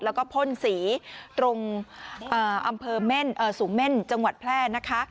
แล้วก็พ่นสีตรงอำเภอสูงเม่นจังหวัดแพร่นะคะ